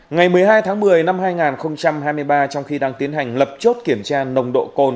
ngày một mươi hai tháng một mươi năm hai nghìn hai mươi ba trong khi đang tiến hành lập chốt kiểm tra nồng độ cồn